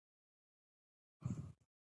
افغانستان به د میوو صادروونکی وي.